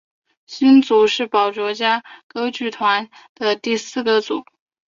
星组是宝冢歌剧团的第四个组。